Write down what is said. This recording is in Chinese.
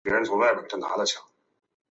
他们有自己的汗国。